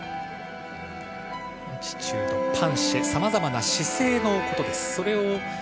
アティチュード、パンシェ、さまざまな姿勢のことです。